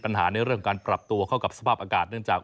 ในเรื่องการปรับตัวเข้ากับสภาพอากาศเนื่องจาก